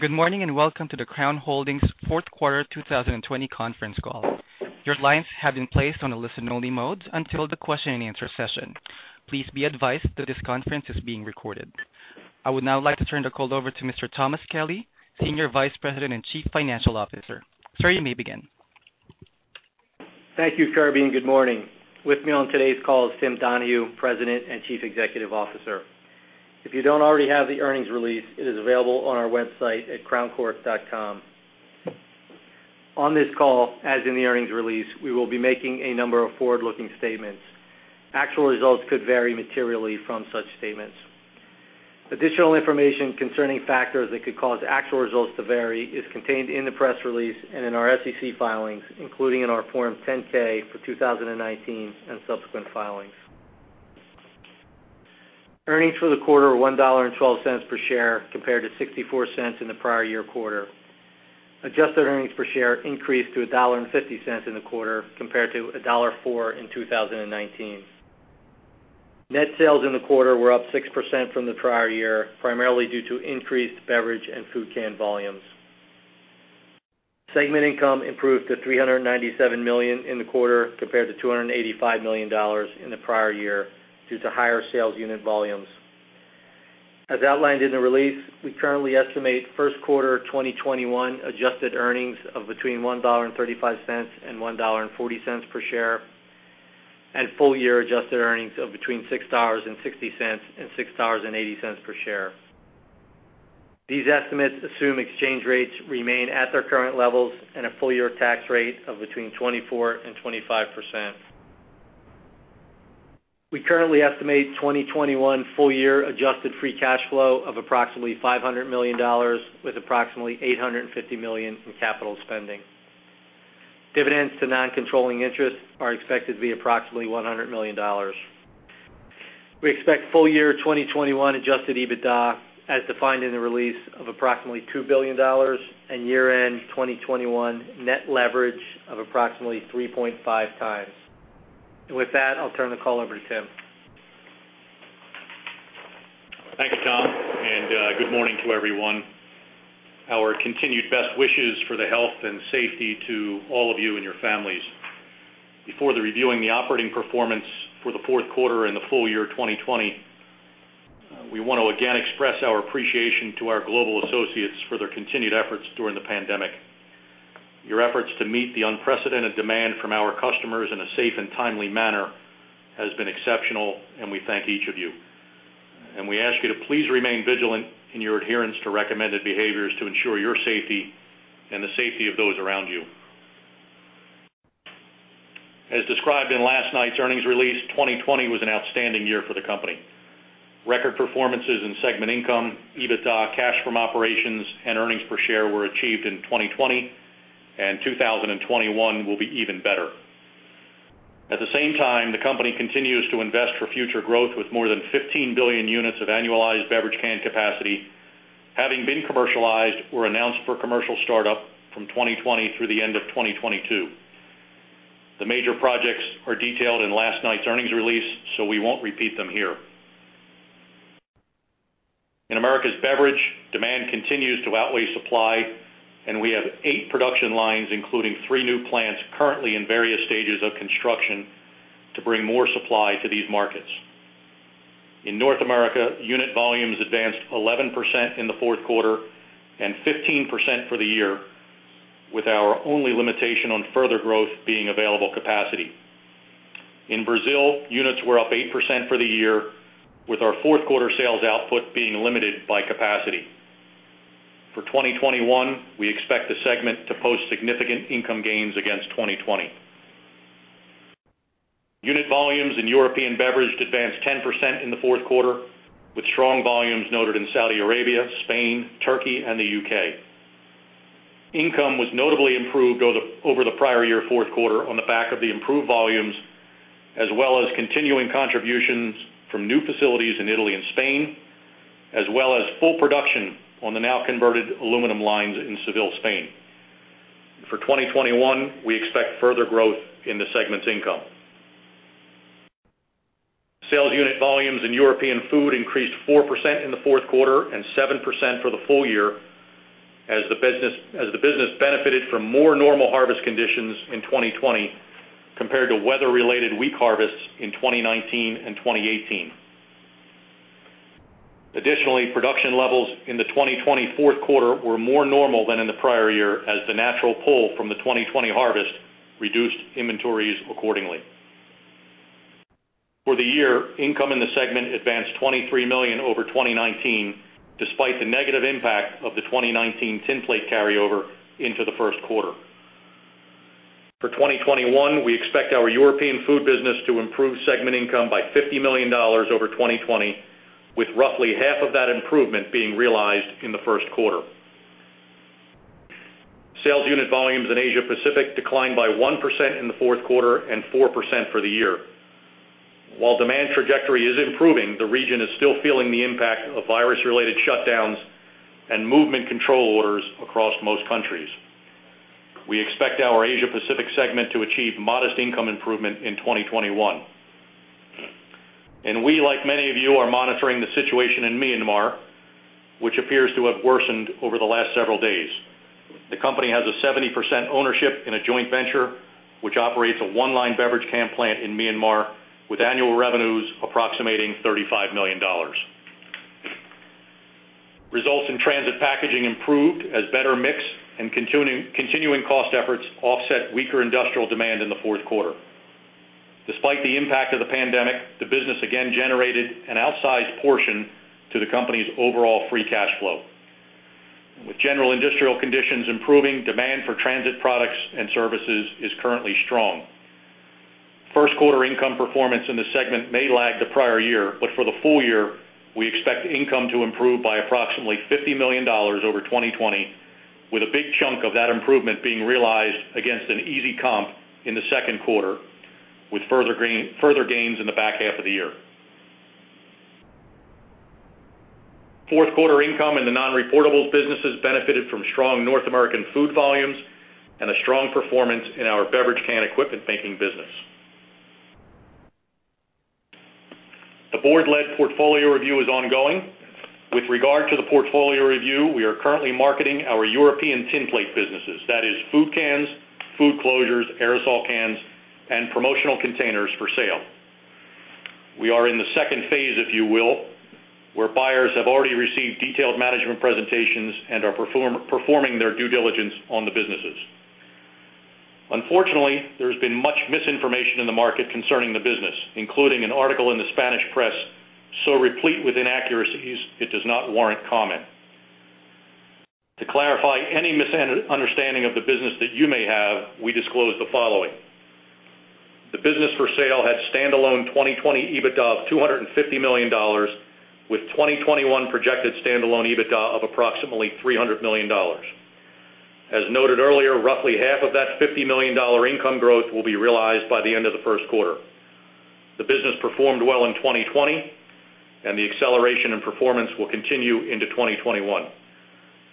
Good morning, and welcome to the Crown Holdings Fourth Quarter 2020 Conference Call. Your lines have been placed on a listen-only mode until the question-and-answer session. Please be advised that this conference is being recorded. I would now like to turn the call over to Mr. Thomas Kelly, Senior Vice President and Chief Financial Officer. Sir, you may begin. Thank you, Kirby, good morning. With me on today's call is Tim Donahue, President and Chief Executive Officer. If you don't already have the earnings release, it is available on our website at crowncork.com. On this call, as in the earnings release, we will be making a number of forward-looking statements. Actual results could vary materially from such statements. Additional information concerning factors that could cause actual results to vary is contained in the press release and in our SEC filings, including in our Form 10-K for 2019 and subsequent filings. Earnings for the quarter were $1.12 per share compared to $0.64 in the prior year quarter. Adjusted earnings per share increased to $1.50 in the quarter, compared to $1.04 in 2019. Net sales in the quarter were up 6% from the prior year, primarily due to increased beverage and food can volumes. Segment income improved to $397 million in the quarter, compared to $285 million in the prior year, due to higher sales unit volumes. As outlined in the release, we currently estimate first quarter 2021 adjusted earnings of between $1.35 and $1.40 per share, and full-year adjusted earnings of between $6.60 and $6.80 per share. These estimates assume exchange rates remain at their current levels and a full-year tax rate of between 24% and 25%. We currently estimate 2021 full-year adjusted free cash flow of approximately $500 million, with approximately $850 million in capital spending. Dividends to non-controlling interests are expected to be approximately $100 million. We expect full-year 2021 adjusted EBITDA, as defined in the release, of approximately $2 billion and year-end 2021 net leverage of approximately 3.5x. With that, I'll turn the call over to Tim. Thank you, Tom. Good morning to everyone. Our continued best wishes for the health and safety to all of you and your families. Before reviewing the operating performance for the fourth quarter and the full year 2020, we want to again express our appreciation to our global associates for their continued efforts during the pandemic. Your efforts to meet the unprecedented demand from our customers in a safe and timely manner has been exceptional, and we thank each of you. We ask you to please remain vigilant in your adherence to recommended behaviors to ensure your safety and the safety of those around you. As described in last night's earnings release, 2020 was an outstanding year for the company. Record performances in segment income, EBITDA, cash from operations, and earnings per share were achieved in 2020, and 2021 will be even better. At the same time, the company continues to invest for future growth with more than 15 billion units of annualized beverage can capacity, having been commercialized or announced for commercial startup from 2020 through the end of 2022. The major projects are detailed in last night's earnings release, so we won't repeat them here. In Americas Beverage, demand continues to outweigh supply, and we have eight production lines, including three new plants currently in various stages of construction to bring more supply to these markets. In North America, unit volumes advanced 11% in the fourth quarter and 15% for the year, with our only limitation on further growth being available capacity. In Brazil, units were up 8% for the year, with our fourth-quarter sales output being limited by capacity. For 2021, we expect the segment to post significant income gains against 2020. Unit volumes in European Beverage advanced 10% in the fourth quarter, with strong volumes noted in Saudi Arabia, Spain, Turkey, and the U.K. Income was notably improved over the prior year fourth quarter on the back of the improved volumes, as well as continuing contributions from new facilities in Italy and Spain, as well as full production on the now converted aluminum lines in Seville, Spain. For 2021, we expect further growth in the segment's income. Sales unit volumes in European Food increased 4% in the fourth quarter and 7% for the full year as the business benefited from more normal harvest conditions in 2020 compared to weather-related weak harvests in 2019 and 2018. Additionally, production levels in the 2020 fourth quarter were more normal than in the prior year as the natural pull from the 2020 harvest reduced inventories accordingly. For the year, income in the segment advanced $23 million over 2019, despite the negative impact of the 2019 tinplate carryover into the first quarter. For 2021, we expect our European Food business to improve segment income by $50 million over 2020, with roughly half of that improvement being realized in the first quarter. Sales unit volumes in Asia Pacific declined by 1% in the fourth quarter and 4% for the year. While demand trajectory is improving, the region is still feeling the impact of virus-related shutdowns and movement control orders across most countries. We expect our Asia Pacific segment to achieve modest income improvement in 2021. We, like many of you, are monitoring the situation in Myanmar, which appears to have worsened over the last several days. The company has a 70% ownership in a joint venture, which operates a one-line beverage can plant in Myanmar with annual revenues approximating $35 million. Results in Transit packaging improved as better mix and continuing cost efforts offset weaker industrial demand in the fourth quarter. Despite the impact of the pandemic, the business again generated an outsized portion to the company's overall free cash flow. With general industrial conditions improving, demand for transit products and services is currently strong. First quarter income performance in the segment may lag the prior year, but for the full year, we expect income to improve by approximately $50 million over 2020, with a big chunk of that improvement being realized against an easy comp in the second quarter, with further gains in the back half of the year. Fourth quarter income in the non-reportables businesses benefited from strong North American food volumes and a strong performance in our beverage can equipment making business. The board-led portfolio review is ongoing. With regard to the portfolio review, we are currently marketing our European Tinplate businesses. That is food cans, food closures, aerosol cans, and promotional containers for sale. We are in the second phase, if you will, where buyers have already received detailed management presentations and are performing their due diligence on the businesses. Unfortunately, there has been much misinformation in the market concerning the business, including an article in the Spanish press so replete with inaccuracies it does not warrant comment. To clarify any misunderstanding of the business that you may have, we disclose the following. The business for sale had standalone 2020 EBITDA of $250 million with 2021 projected standalone EBITDA of approximately $300 million. As noted earlier, roughly half of that $50 million income growth will be realized by the end of the first quarter. The business performed well in 2020, and the acceleration and performance will continue into 2021.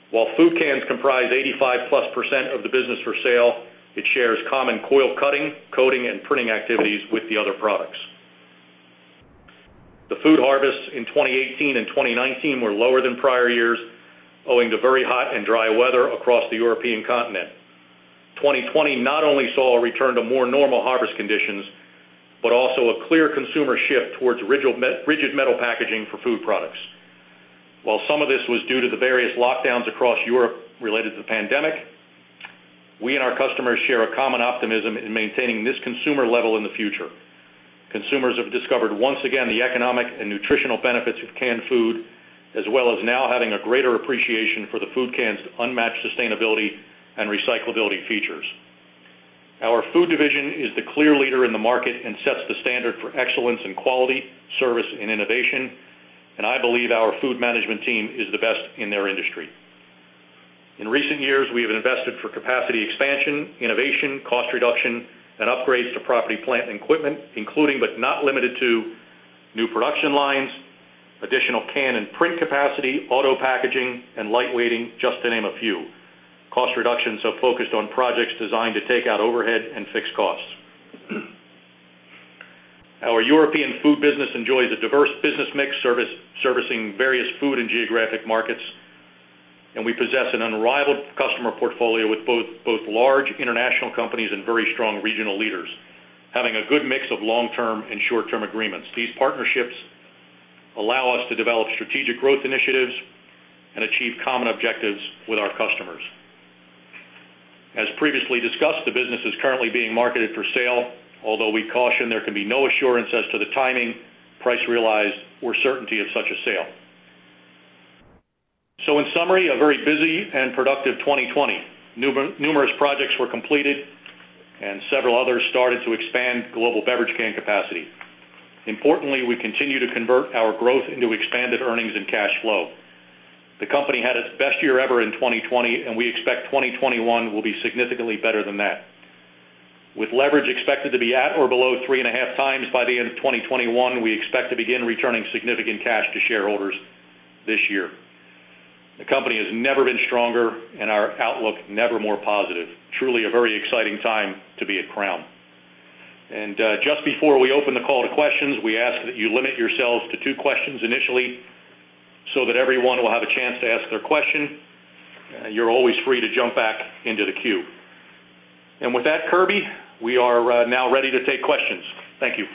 While food cans comprise 85%+ of the business for sale, it shares common coil cutting, coating, and printing activities with the other products. The food harvests in 2018 and 2019 were lower than prior years, owing to very hot and dry weather across the European continent. 2020 not only saw a return to more normal harvest conditions, but also a clear consumer shift towards rigid metal packaging for food products. While some of this was due to the various lockdowns across Europe related to the pandemic, we and our customers share a common optimism in maintaining this consumer level in the future. Consumers have discovered once again the economic and nutritional benefits of canned food, as well as now having a greater appreciation for the food can's unmatched sustainability and recyclability features. Our food division is the clear leader in the market and sets the standard for excellence in quality, service, and innovation, and I believe our food management team is the best in their industry. In recent years, we have invested for capacity expansion, innovation, cost reduction, and upgrades to property, plant, and equipment, including, but not limited to, new production lines, additional can and print capacity, auto packaging, and lightweighting, just to name a few. Cost reductions have focused on projects designed to take out overhead and fixed costs. Our European Food business enjoys a diverse business mix servicing various food and geographic markets. We possess an unrivaled customer portfolio with both large international companies and very strong regional leaders, having a good mix of long-term and short-term agreements. These partnerships allow us to develop strategic growth initiatives and achieve common objectives with our customers. As previously discussed, the business is currently being marketed for sale, although we caution there can be no assurance as to the timing, price realized, or certainty of such a sale. In summary, a very busy and productive 2020. Numerous projects were completed and several others started to expand global beverage can capacity. Importantly, we continue to convert our growth into expanded earnings and cash flow. The company had its best year ever in 2020. We expect 2021 will be significantly better than that. With leverage expected to be at or below three and a half times by the end of 2021, we expect to begin returning significant cash to shareholders this year. The company has never been stronger and our outlook never more positive. Truly a very exciting time to be at Crown. Just before we open the call to questions, we ask that you limit yourselves to two questions initially so that everyone will have a chance to ask their question. You're always free to jump back into the queue. With that, Kirby, we are now ready to take questions. Thank you.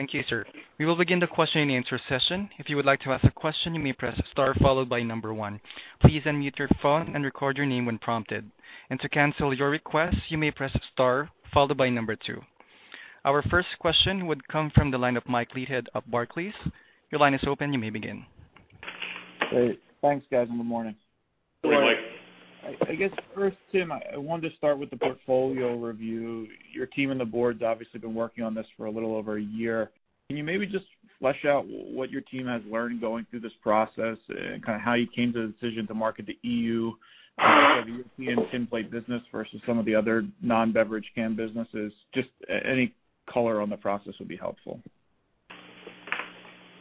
Thank you, sir. We will begin the question-and-answer session. If you would like to ask a question, you may press star, followed by number one. Please unmute your phone and record your name when prompted. And to cancel your request, you may press star, followed by number two. Our first question would come from the line of Mike Leithead of Barclays. Your line is open. You may begin. Great. Thanks, guys, and good morning. Good morning. Good morning. I guess first, Tim, I wanted to start with the portfolio review. Your team and the board's obviously been working on this for a little over a year. Can you maybe just flesh out what your team has learned going through this process and how you came to the decision to market the EU, specifically the European Tinplate business versus some of the other non-beverage can businesses? Just any color on the process would be helpful.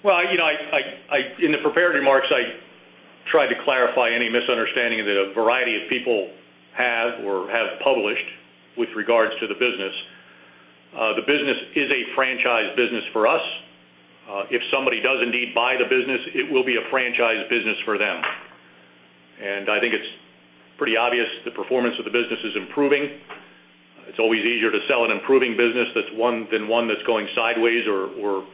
Well, in the prepared remarks, I tried to clarify any misunderstanding that a variety of people have or have published with regards to the business. The business is a franchise business for us. If somebody does indeed buy the business, it will be a franchise business for them. And I think it's pretty obvious the performance of the business is improving. It's always easier to sell an improving business than one that's going sideways or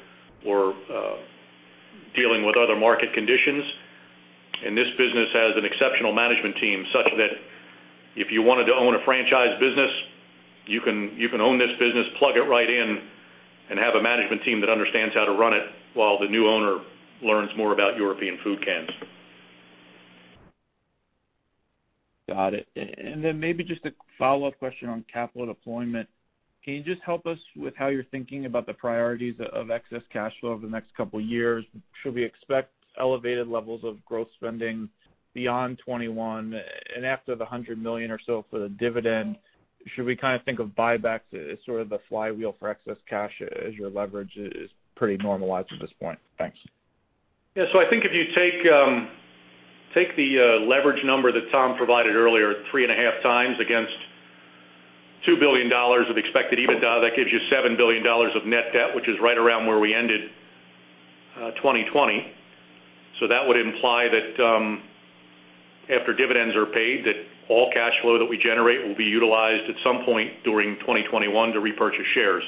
dealing with other market conditions. And this business has an exceptional management team, such that if you wanted to own a franchise business, you can own this business, plug it right in, and have a management team that understands how to run it while the new owner learns more about European Food Cans. Got it. Maybe just a follow-up question on capital deployment. Can you just help us with how you're thinking about the priorities of excess cash flow over the next couple of years? Should we expect elevated levels of growth spending beyond 2021? After the $100 million or so for the dividend, should we think of buybacks as sort of the flywheel for excess cash, as your leverage is pretty normalized at this point? Thanks. Yeah. I think if you take the leverage number that Tom provided earlier, three and a half times against $2 billion of expected EBITDA, that gives you $7 billion of net debt, which is right around where we ended 2020. That would imply that after dividends are paid, that all cash flow that we generate will be utilized at some point during 2021 to repurchase shares.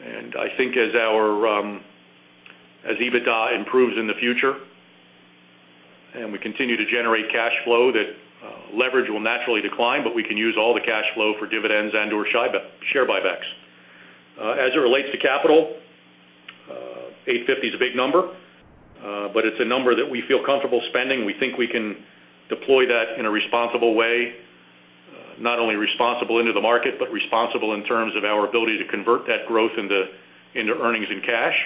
I think as EBITDA improves in the future and we continue to generate cash flow, that leverage will naturally decline, but we can use all the cash flow for dividends and/or share buybacks. As it relates to capital, 850 is a big number, but it's a number that we feel comfortable spending. We think we can deploy that in a responsible way, not only responsible into the market, but responsible in terms of our ability to convert that growth into earnings and cash.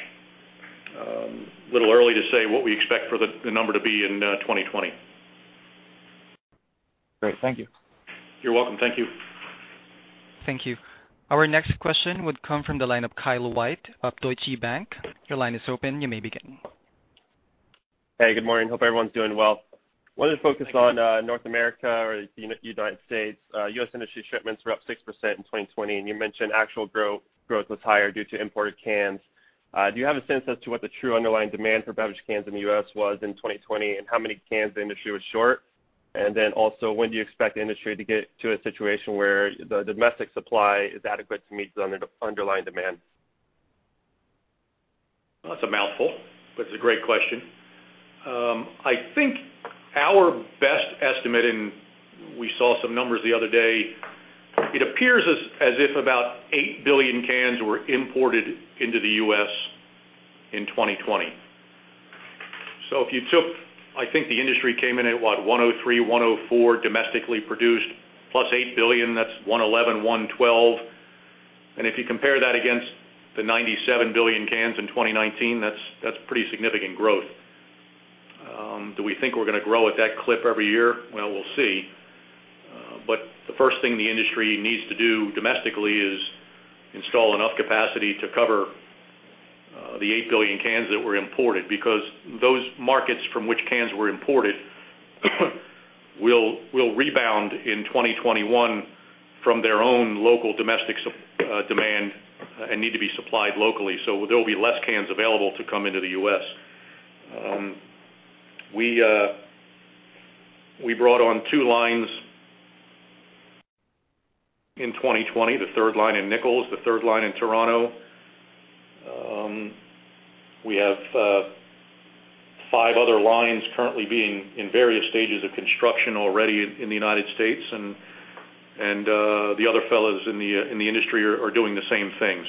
A little early to say what we expect for the number to be in 2020. Great. Thank you. You're welcome. Thank you. Thank you. Our next question would come from the line of Kyle White of Deutsche Bank. Your line is open. You may begin. Hey, good morning. Hope everyone's doing well. Thank you. Wanted to focus on North America or the United States. U.S. industry shipments were up 6% in 2020, and you mentioned actual growth was higher due to imported cans. Do you have a sense as to what the true underlying demand for beverage cans in the U.S. was in 2020, and how many cans the industry was short? When do you expect the industry to get to a situation where the domestic supply is adequate to meet the underlying demand? That's a mouthful, but it's a great question. I think our best estimate, and we saw some numbers the other day, it appears as if about 8 billion cans were imported into the U.S. in 2020. If you took, I think the industry came in at, what, 103, 104 domestically produced, plus 8 billion, that's 111, 112. If you compare that against the 97 billion cans in 2019, that's pretty significant growth. Do we think we're going to grow at that clip every year? Well, we'll see. The first thing the industry needs to do domestically is install enough capacity to cover the 8 billion cans that were imported, because those markets from which cans were imported will rebound in 2021 from their own local domestic demand and need to be supplied locally. There will be less cans available to come into the U.S. We brought on two lines in 2020, the third line in Nichols, the third line in Toronto. We have five other lines currently being in various stages of construction already in the United States, and the other fellows in the industry are doing the same thing.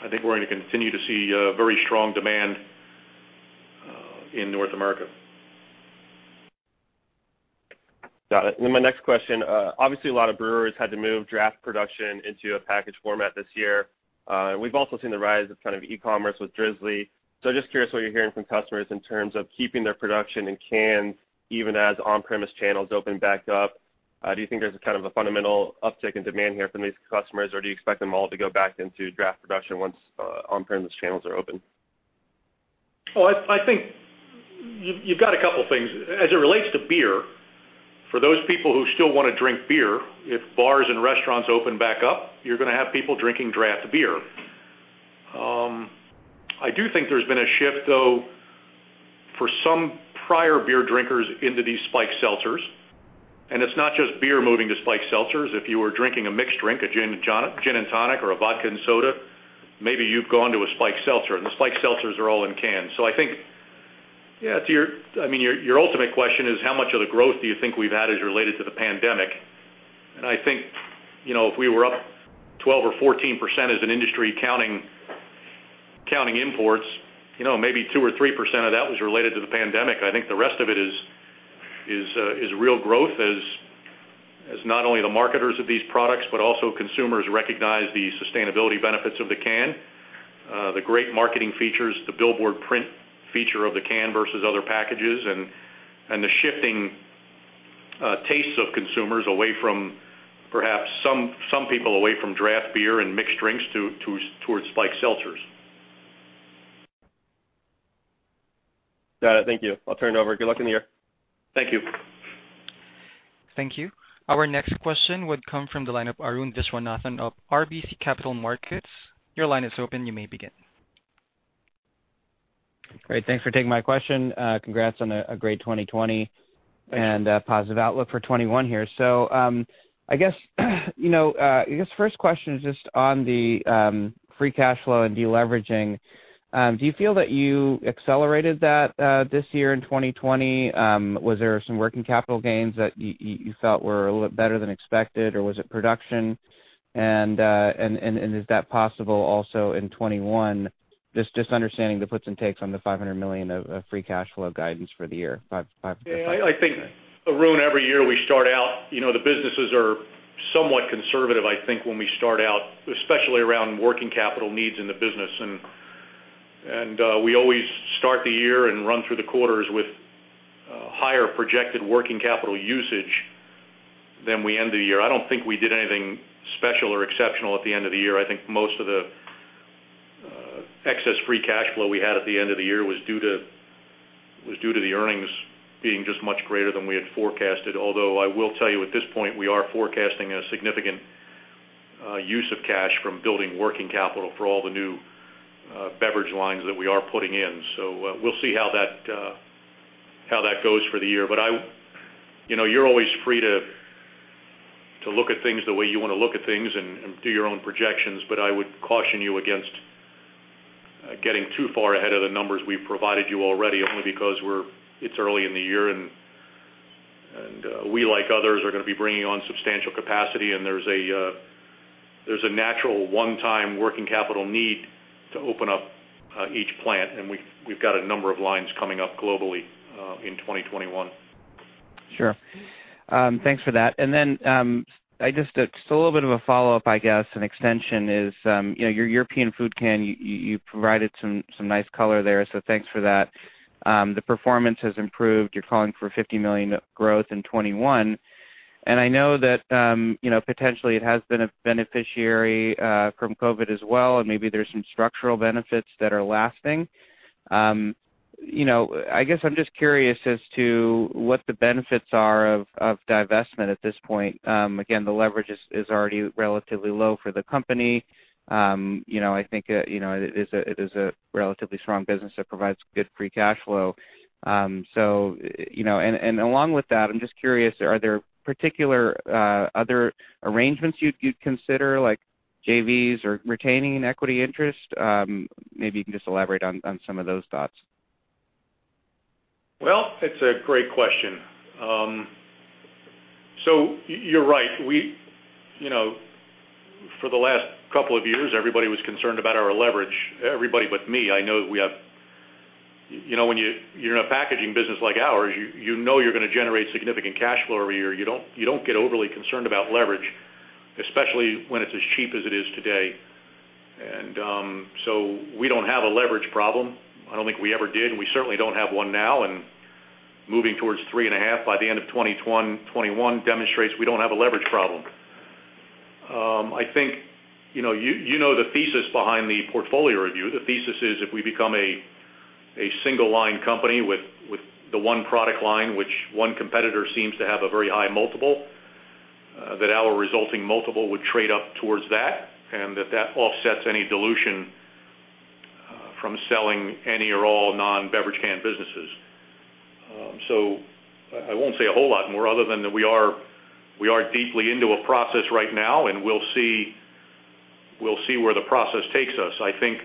I think we're going to continue to see very strong demand in North America. Got it. My next question. Obviously, a lot of brewers had to move draft production into a package format this year. We've also seen the rise of e-commerce with Drizly. Just curious what you're hearing from customers in terms of keeping their production in cans, even as on-premise channels open back up. Do you think there's a fundamental uptick in demand here from these customers, or do you expect them all to go back into draft production once on-premise channels are open? Well, I think you've got a couple of things. As it relates to beer, for those people who still want to drink beer, if bars and restaurants open back up, you're going to have people drinking draft beer. I do think there's been a shift, though, for some prior beer drinkers into these spiked seltzers, and it's not just beer moving to spiked seltzers. If you were drinking a mixed drink, a gin and tonic or a vodka and soda, maybe you've gone to a spiked seltzer, and the spiked seltzers are all in cans. I think, yeah, your ultimate question is, how much of the growth do you think we've had is related to the pandemic? I think, if we were up 12% or 14% as an industry, counting imports, maybe 2% or 3% of that was related to the pandemic. I think the rest of it is real growth as not only the marketers of these products, but also consumers recognize the sustainability benefits of the can. The great marketing features, the billboard print feature of the can versus other packages, and the shifting tastes of consumers away from perhaps some people away from draft beer and mixed drinks towards spiked seltzers. Got it. Thank you. I'll turn it over. Good luck in the year. Thank you. Thank you. Our next question would come from the line of Arun Viswanathan of RBC Capital Markets. Your line is open. You may begin. Great. Thanks for taking my question. Congrats on a great 2020 and a positive outlook for 2021 here. I guess, first question is just on the free cash flow and de-leveraging. Do you feel that you accelerated that this year in 2020? Was there some working capital gains that you felt were a little better than expected, or was it production? Is that possible also in 2021? Just understanding the puts and takes on the $500 million of free cash flow guidance for the year. Yeah, I think, Arun, every year we start out, the businesses are somewhat conservative, I think, when we start out, especially around working capital needs in the business. We always start the year and run through the quarters with higher projected working capital usage than we end the year. I don't think we did anything special or exceptional at the end of the year. I think most of the excess free cash flow we had at the end of the year was due to the earnings being just much greater than we had forecasted. Although, I will tell you, at this point, we are forecasting a significant use of cash from building working capital for all the new beverage lines that we are putting in. We'll see how that goes for the year. You're always free to look at things the way you want to look at things and do your own projections, but I would caution you against getting too far ahead of the numbers we've provided you already, only because it's early in the year, and we, like others, are going to be bringing on substantial capacity, and there's a natural one-time working capital need to open up each plant, and we've got a number of lines coming up globally in 2021. Sure. Thanks for that. Just a little bit of a follow-up, I guess, an extension is, your European Food Can, you provided some nice color there, so thanks for that. The performance has improved. You're calling for $50 million growth in 2021. I know that, potentially, it has been a beneficiary from COVID as well, and maybe there's some structural benefits that are lasting. I guess I'm just curious as to what the benefits are of divestment at this point. Again, the leverage is already relatively low for the company. I think it is a relatively strong business that provides good free cash flow. Along with that, I'm just curious, are there particular other arrangements you'd consider, like JVs or retaining an equity interest? Maybe you can just elaborate on some of those thoughts. Well, it's a great question. You're right. For the last couple of years, everybody was concerned about our leverage. Everybody but me. When you're in a packaging business like ours, you know you're going to generate significant cash flow every year. You don't get overly concerned about leverage, especially when it's as cheap as it is today. We don't have a leverage problem. I don't think we ever did, and we certainly don't have one now. Moving towards three and a half by the end of 2021 demonstrates we don't have a leverage problem. You know the thesis behind the portfolio review. The thesis is if we become a single-line company with the one product line, which one competitor seems to have a very high multiple, that our resulting multiple would trade up towards that, and that that offsets any dilution from selling any or all non-beverage can businesses. I won't say a whole lot more other than that we are deeply into a process right now, and we'll see where the process takes us. I think,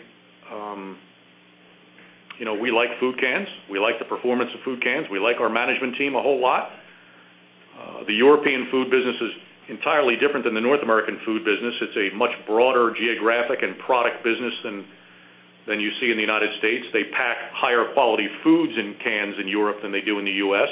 we like food cans. We like the performance of food cans. We like our management team a whole lot. The European Food is entirely different than the North American Food business. It's a much broader geographic and product business than you see in the United States. They pack higher quality foods in cans in Europe than they do in the U.S.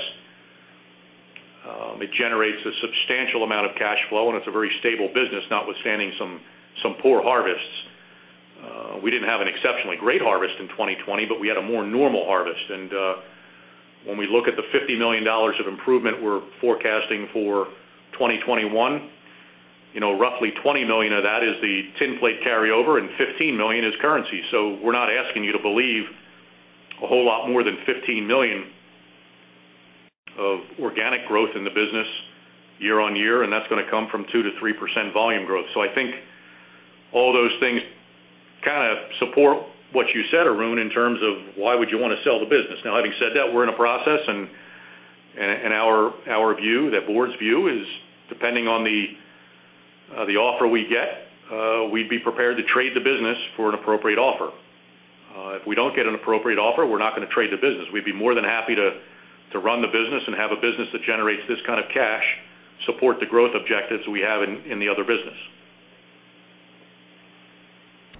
It generates a substantial amount of cash flow, and it's a very stable business, notwithstanding some poor harvests. We didn't have an exceptionally great harvest in 2020, but we had a more normal harvest. When we look at the $50 million of improvement we're forecasting for 2021, roughly $20 million of that is the tinplate carryover and $15 million is currency. We're not asking you to believe a whole lot more than $15 million of organic growth in the business year-on-year, and that's going to come from 2% to 3% volume growth. I think all those things kind of support what you said, Arun, in terms of why would you want to sell the business? Having said that, we're in a process, our view, the board's view is, depending on the offer we get, we'd be prepared to trade the business for an appropriate offer. If we don't get an appropriate offer, we're not going to trade the business. We'd be more than happy to run the business and have a business that generates this kind of cash, support the growth objectives we have in the other business.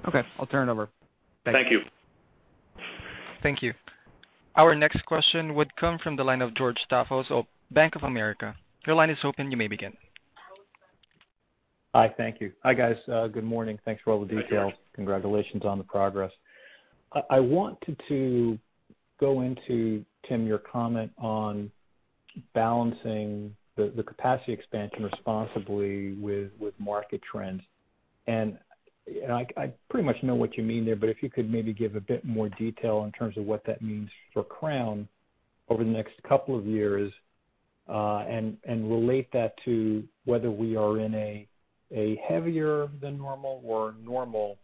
Okay. I'll turn it over. Thank you. Thank you. Our next question would come from the line of George Staphos of Bank of America. Your line is open. You may begin. Hi. Thank you. Hi, guys. Good morning. Thanks for all the details. Hi, George. Congratulations on the progress. I wanted to go into, Tim, your comment on balancing the capacity expansion responsibly with market trends. I pretty much know what you mean there, but if you could maybe give a bit more detail in terms of what that means for Crown over the next couple of years, and relate that to whether we are in a heavier than normal or normal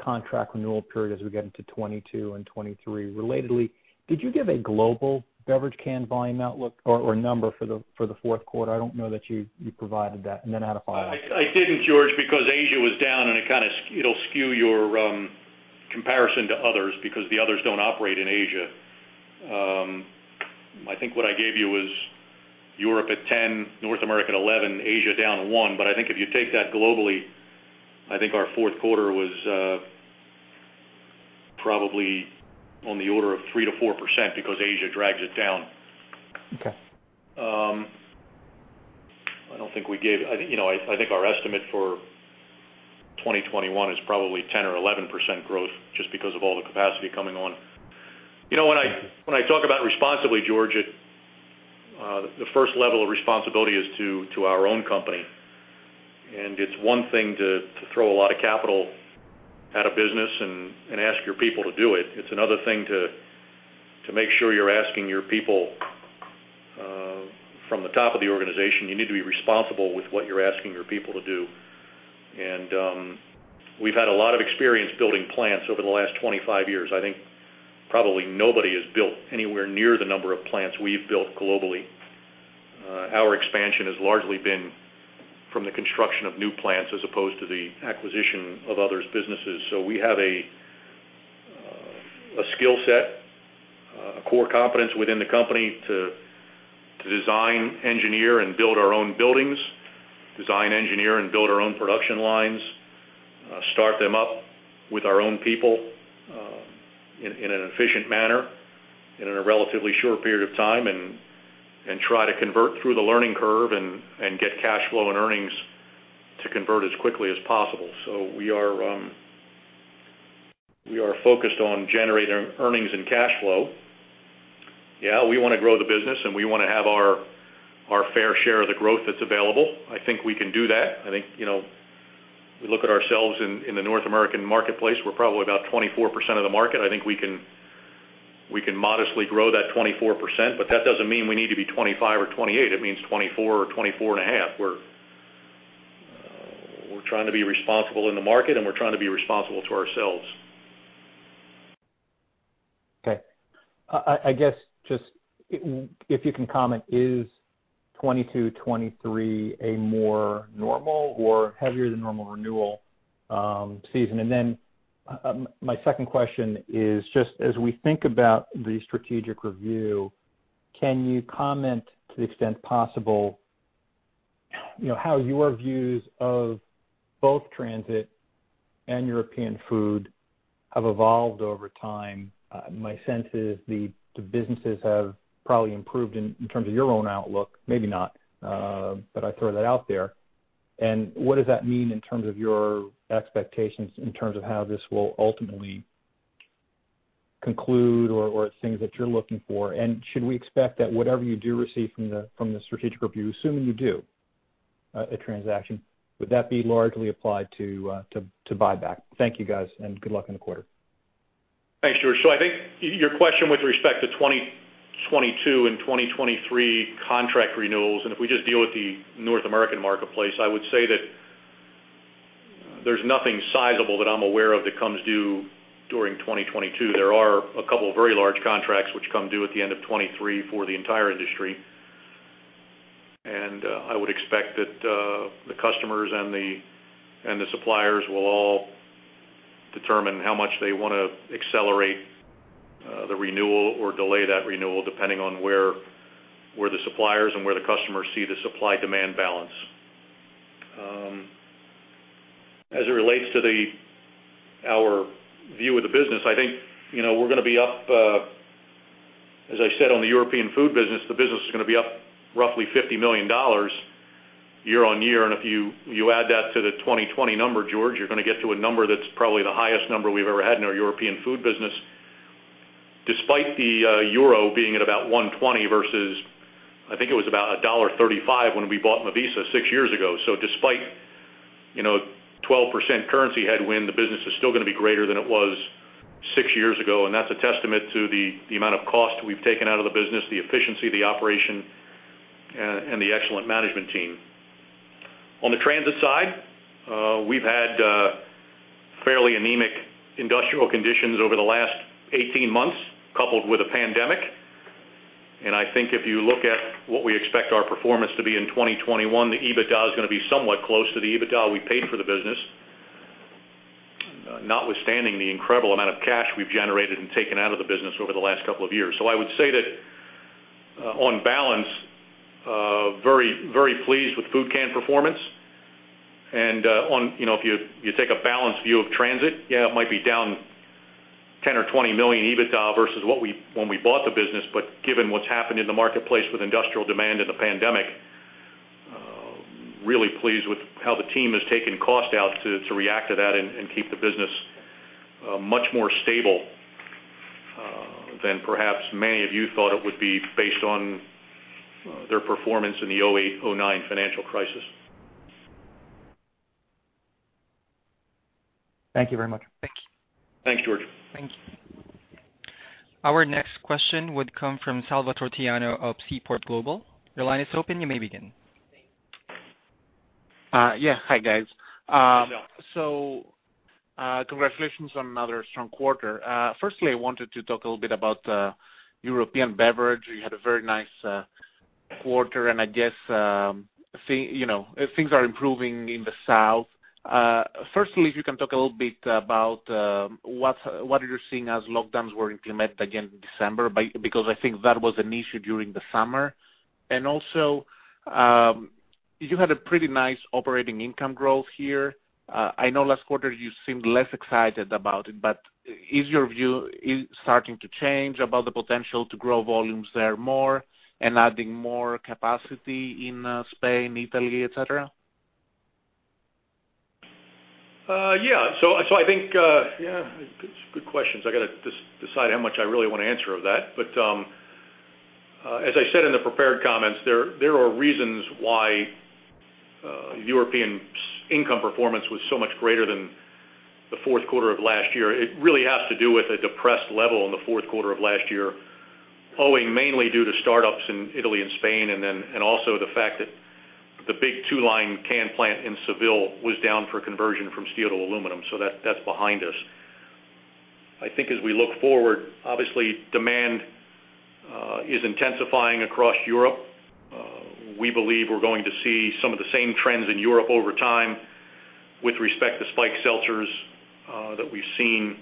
contract renewal period as we get into 2022 and 2023. Relatedly, did you give a global beverage can volume outlook or number for the fourth quarter? I don't know that you provided that. Add a follow-on. I didn't, George, because Asia was down, and it'll skew your comparison to others because the others don't operate in Asia. I think what I gave you was Europe at 10, North America at 11, Asia down at one. I think if you take that globally, I think our fourth quarter was probably on the order of 3%-4% because Asia drags it down. Okay. I think our estimate for 2021 is probably 10% or 11% growth just because of all the capacity coming on. When I talk about responsibly, George, the first level of responsibility is to our own company, it's one thing to throw a lot of capital at a business and ask your people to do it. It's another thing to make sure you're asking your people from the top of the organization, you need to be responsible with what you're asking your people to do. We've had a lot of experience building plants over the last 25 years. I think probably nobody has built anywhere near the number of plants we've built globally. Our expansion has largely been from the construction of new plants as opposed to the acquisition of others' businesses. We have a skill set, a core competence within the company to design, engineer, and build our own buildings. Design, engineer and build our own production lines, start them up with our own people, in an efficient manner, in a relatively short period of time, and try to convert through the learning curve and get cash flow and earnings to convert as quickly as possible. We are focused on generating earnings and cash flow. Yeah, we want to grow the business, and we want to have our fair share of the growth that's available. I think we can do that. I think, we look at ourselves in the North American marketplace, we're probably about 24% of the market. I think we can modestly grow that 24%, but that doesn't mean we need to be 25% or 28%. It means 24% or 24.5%. We're trying to be responsible in the market, and we're trying to be responsible to ourselves. Okay. I guess, just if you can comment, is 2022, 2023 a more normal or heavier than normal renewal season? My second question is just as we think about the strategic review, can you comment to the extent possible, how your views of both transit and European Food have evolved over time? My sense is the businesses have probably improved in terms of your own outlook. Maybe not, but I throw that out there. What does that mean in terms of your expectations, in terms of how this will ultimately conclude or things that you're looking for? Should we expect that whatever you do receive from the strategic review, assuming you do a transaction, would that be largely applied to buyback? Thank you, guys, and good luck in the quarter. Thanks, George. I think your question with respect to 2022 and 2023 contract renewals, and if we just deal with the North American marketplace, I would say that there's nothing sizable that I'm aware of that comes due during 2022. There are a couple of very large contracts which come due at the end of 2023 for the entire industry. I would expect that the customers and the suppliers will all determine how much they want to accelerate the renewal or delay that renewal depending on where the suppliers and where the customers see the supply-demand balance. As it relates to our view of the business, I think we're going to be up, as I said, on the European Food business, the business is going to be up roughly $50 million year-on-year. If you add that to the 2020 number, George, you're going to get to a number that's probably the highest number we've ever had in our European Food business, despite the euro being at about 120 versus, I think it was about $1.35 when we bought Mivisa six years ago. Despite 12% currency headwind, the business is still going to be greater than it was six years ago, and that's a testament to the amount of cost we've taken out of the business, the efficiency of the operation, and the excellent management team. On the transit side, we've had fairly anemic industrial conditions over the last 18 months, coupled with a pandemic. I think if you look at what we expect our performance to be in 2021, the EBITDA is going to be somewhat close to the EBITDA we paid for the business, notwithstanding the incredible amount of cash we've generated and taken out of the business over the last couple of years. I would say that on balance, very pleased with food can performance. If you take a balanced view of transit, yeah, it might be down $10 million or $20 million EBITDA versus when we bought the business. Given what's happened in the marketplace with industrial demand and the pandemic, really pleased with how the team has taken cost out to react to that and keep the business much more stable than perhaps many of you thought it would be based on their performance in the 2008, 2009 financial crisis. Thank you very much. Thank you. Thanks, George. Thank you. Our next question would come from Salvator Tiano of Seaport Global. Your line is open. You may begin. Yeah. Hi, guys. Hi, Sal. Congratulations on another strong quarter. Firstly, I wanted to talk a little bit about European Beverage. You had a very nice quarter, and I guess things are improving in the south. Firstly, if you can talk a little bit about what you're seeing as lockdowns were implemented again in December, because I think that was an issue during the summer. Also, you had a pretty nice operating income growth here. I know last quarter you seemed less excited about it, but is your view starting to change about the potential to grow volumes there more and adding more capacity in Spain, Italy, etc.? Yeah. Good questions. I got to decide how much I really want to answer of that. As I said in the prepared comments, there are reasons why European income performance was so much greater than the fourth quarter of last year. It really has to do with a depressed level in the fourth quarter of last year, owing mainly due to startups in Italy and Spain, and also the fact that the big two-line can plant in Seville was down for conversion from steel to aluminum. That's behind us. I think as we look forward, obviously demand is intensifying across Europe. We believe we're going to see some of the same trends in Europe over time with respect to spiked seltzers that we've seen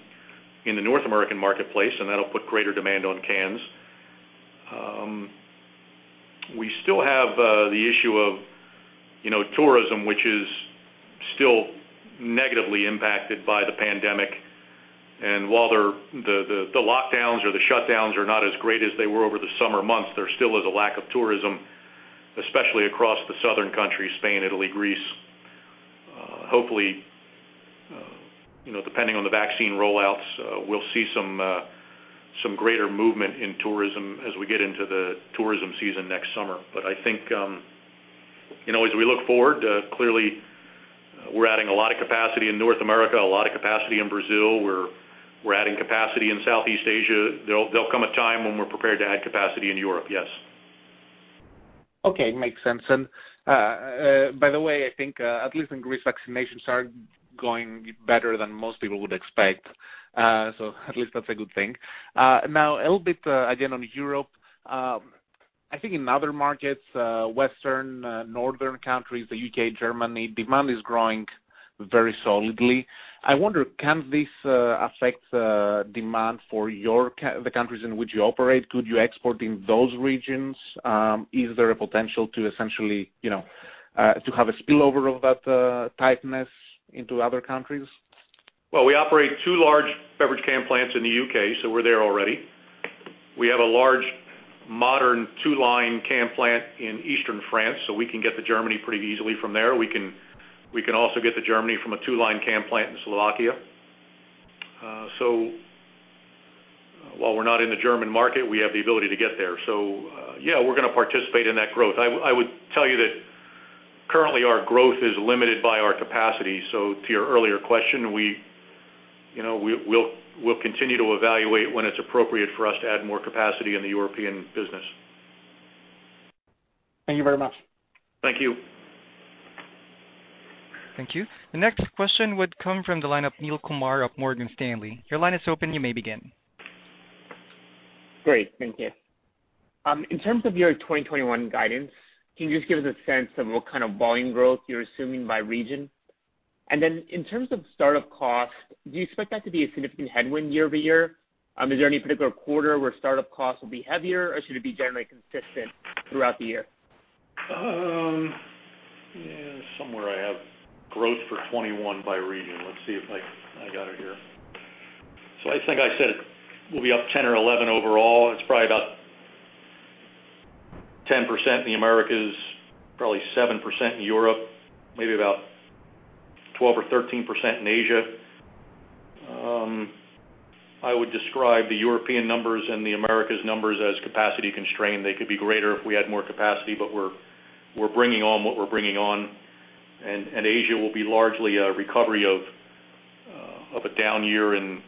in the North American marketplace, and that'll put greater demand on cans. We still have the issue of tourism, which is still negatively impacted by the pandemic. While the lockdowns or the shutdowns are not as great as they were over the summer months, there still is a lack of tourism, especially across the southern countries, Spain, Italy, Greece. Hopefully, depending on the vaccine rollouts, we'll see some greater movement in tourism as we get into the tourism season next summer. I think, as we look forward, clearly we're adding a lot of capacity in North America, a lot of capacity in Brazil. We're adding capacity in Southeast Asia. There'll come a time when we're prepared to add capacity in Europe, yes. Okay. Makes sense. By the way, I think at least in Greece, vaccinations are going better than most people would expect. At least that's a good thing. A little bit again on Europe. I think in other markets, Western, Northern countries, the U.K., Germany, demand is growing very solidly. I wonder, can this affect demand for the countries in which you operate? Could you export in those regions? Is there a potential to essentially have a spillover of that tightness into other countries? Well, we operate two large beverage can plants in the U.K., so we're there already. We have a large, modern two-line can plant in Eastern France, so we can get to Germany pretty easily from there. We can also get to Germany from a two-line can plant in Slovakia. While we're not in the German market, we have the ability to get there. Yeah, we're going to participate in that growth. I would tell you that currently our growth is limited by our capacity. To your earlier question, we'll continue to evaluate when it's appropriate for us to add more capacity in the European business. Thank you very much. Thank you. Thank you. The next question would come from the line of Neel Kumar of Morgan Stanley. Your line is open. You may begin. Great. Thank you. In terms of your 2021 guidance, can you just give us a sense of what kind of volume growth you're assuming by region? Then in terms of startup cost, do you expect that to be a significant headwind year-over-year? Is there any particular quarter where startup costs will be heavier, or should it be generally consistent throughout the year? Somewhere I have growth for 2021 by region. Let's see if I got it here. I think I said we'll be up 10 or 11 overall. It's probably about 10% in the Americas, probably 7% in Europe, maybe about 12% or 13% in Asia. I would describe the European numbers and the Americas numbers as capacity constrained. They could be greater if we had more capacity, but we're bringing on what we're bringing on. Asia will be largely a recovery of a down year in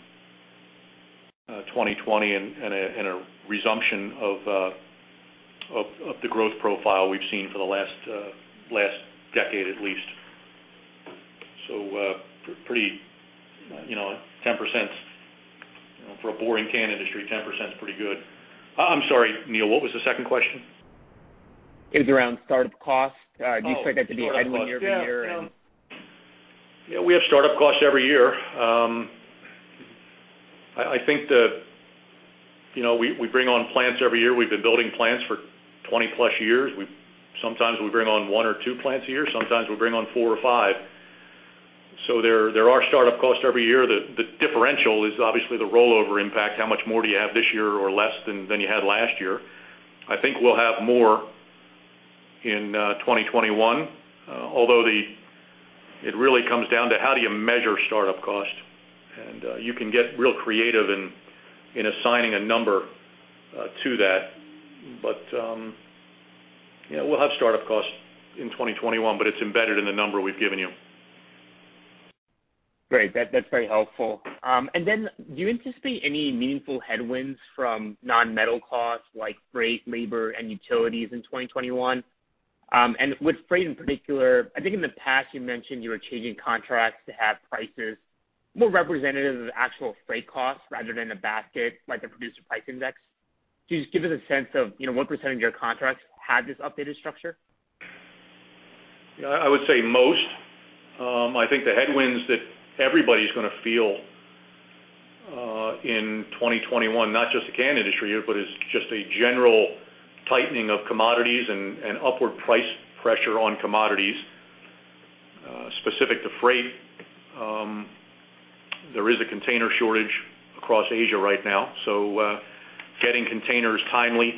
2020 and a resumption of the growth profile we've seen for the last decade at least. For a boring can industry, 10% is pretty good. I'm sorry, Neel, what was the second question? It was around startup costs. Do you expect that to be a headwind year-over-year? Yeah, we have startup costs every year. We bring on plants every year. We've been building plants for 20+ years. Sometimes we bring on one or two plants a year, sometimes we bring on four or five. There are startup costs every year. The differential is obviously the rollover impact, how much more do you have this year or less than you had last year? I think we'll have more in 2021, although it really comes down to how do you measure startup cost. You can get real creative in assigning a number to that. We'll have startup costs in 2021, but it's embedded in the number we've given you. Great. That's very helpful. Do you anticipate any meaningful headwinds from non-metal costs like freight, labor, and utilities in 2021? With freight in particular, I think in the past you mentioned you were changing contracts to have prices more representative of the actual freight costs rather than a basket like the producer price index. Can you just give us a sense of what percent of your contracts have this updated structure? I would say most. I think the headwinds that everybody's going to feel in 2021, not just the can industry, but is just a general tightening of commodities and upward price pressure on commodities. Specific to freight, there is a container shortage across Asia right now, so getting containers timely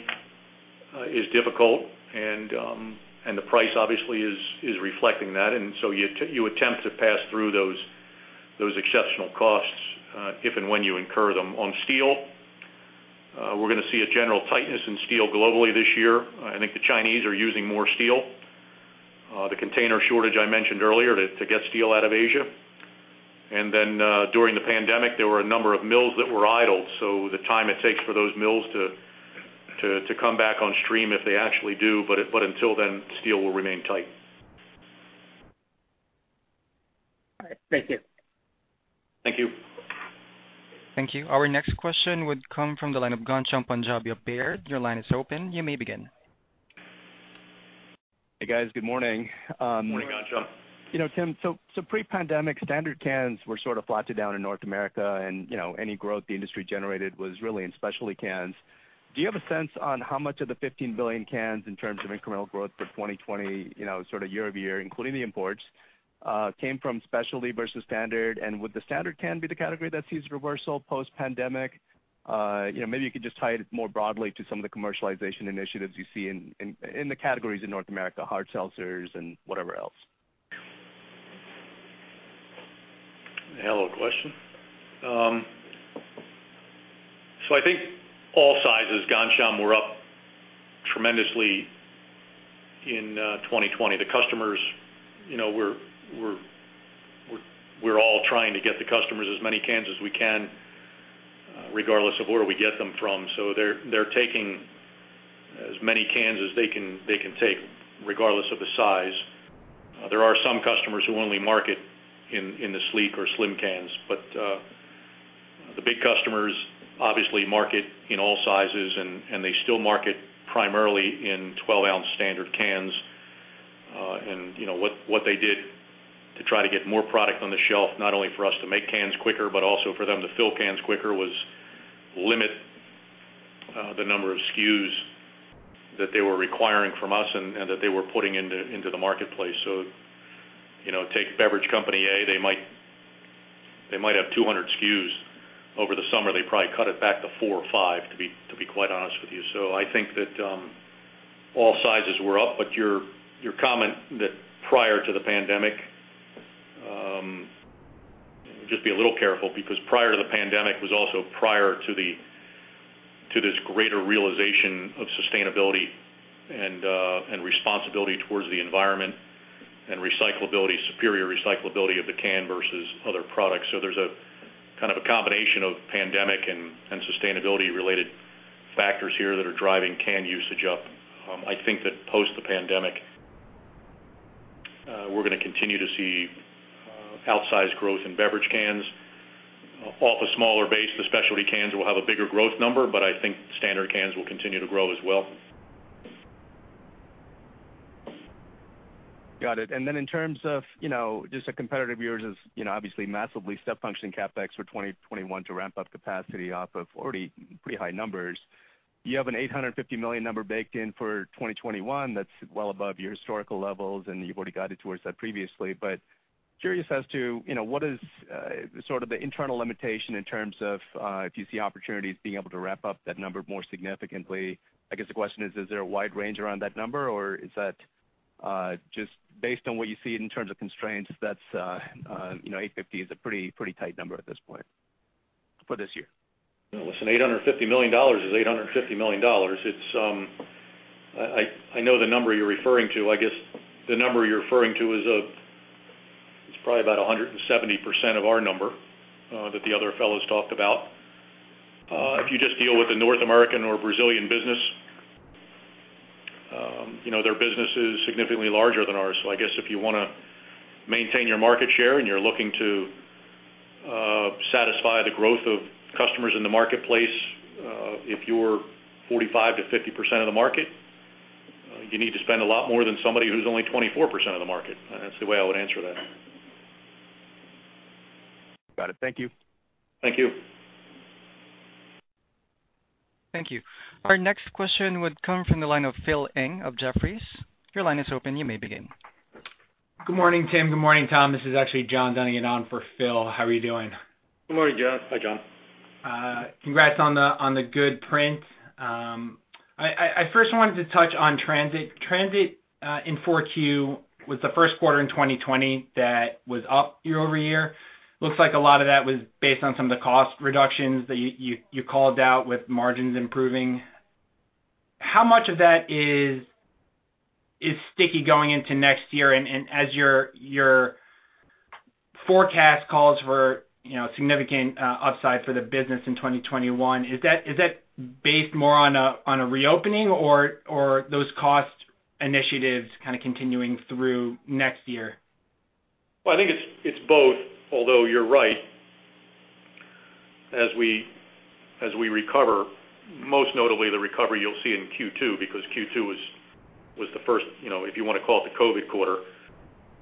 is difficult and the price obviously is reflecting that. You attempt to pass through those exceptional costs, if and when you incur them. On steel, we're going to see a general tightness in steel globally this year. I think the Chinese are using more steel. The container shortage I mentioned earlier to get steel out of Asia. During the pandemic, there were a number of mills that were idled, so the time it takes for those mills to come back on stream, if they actually do, but until then, steel will remain tight. All right. Thank you. Thank you. Thank you. Our next question would come from the line of Ghansham Panjabi of Baird. Your line is open. You may begin. Hey, guys. Good morning. Morning, Ghansham. Tim, pre-pandemic, standard cans were sort of flat to down in North America, and any growth the industry generated was really in specialty cans. Do you have a sense on how much of the 15 billion cans in terms of incremental growth for 2020, sort of year-over-year, including the imports, came from specialty versus standard? Would the standard can be the category that sees reversal post-pandemic? Maybe you could just tie it more broadly to some of the commercialization initiatives you see in the categories in North America, hard seltzers and whatever else. Hell of a question. I think all sizes, Ghansham, were up tremendously in 2020. We're all trying to get the customers as many cans as we can, regardless of where we get them from. They're taking as many cans as they can take, regardless of the size. There are some customers who only market in the sleek or slim cans, but the big customers obviously market in all sizes, and they still market primarily in 12 oz standard cans. What they did to try to get more product on the shelf, not only for us to make cans quicker, but also for them to fill cans quicker, was limit the number of SKUs that they were requiring from us and that they were putting into the marketplace. Take beverage company A, they might have 200 SKUs. Over the summer, they probably cut it back to four or five, to be quite honest with you. I think that all sizes were up. Your comment that prior to the pandemic, just be a little careful, because prior to the pandemic was also prior to this greater realization of sustainability and responsibility towards the environment and recyclability, superior recyclability of the can versus other products. There's a kind of a combination of pandemic and sustainability-related factors here that are driving can usage up. I think that post the pandemic, we're going to continue to see outsized growth in beverage cans. Off a smaller base, the specialty cans will have a bigger growth number, but I think standard cans will continue to grow as well. Got it. In terms of just a competitor of yours is obviously massively step functioning CapEx for 2021 to ramp up capacity off of already pretty high numbers. You have an $850 million number baked in for 2021 that's well above your historical levels, and you've already guided towards that previously. Curious as to what is sort of the internal limitation in terms of if you see opportunities being able to ramp up that number more significantly. I guess the question is there a wide range around that number, or is that just based on what you see in terms of constraints, that $850 is a pretty tight number at this point for this year? Listen, $850 million is $850 million. I know the number you're referring to. I guess the number you're referring to is probably about 170% of our number that the other fellows talked about. If you just deal with the North American or Brazilian business, their business is significantly larger than ours. I guess if you want to maintain your market share and you're looking to satisfy the growth of customers in the marketplace, if you're 45%-50% of the market, you need to spend a lot more than somebody who's only 24% of the market. That's the way I would answer that. Got it. Thank you. Thank you. Thank you. Our next question would come from the line of Phil Ng of Jefferies. Your line is open, you may begin. Good morning, Tim. Good morning, Tom. This is actually John doing it on for Phil. How are you doing? Good morning, John. Hi, John. Congrats on the good print. I first wanted to touch on trends. Trends, in 4Q, was the first quarter in 2020 that was up year-over-year. Looks like a lot of that was based on some of the cost reductions that you called out with margins improving. How much of that is sticky going into next year? As your forecast calls for significant upside for the business in 2021, is that based more on a reopening or those cost initiatives kind of continuing through next year? Well, I think it's both, although you're right. As we recover, most notably the recovery you'll see in Q2, because Q2 was the first, if you want to call it the COVID quarter,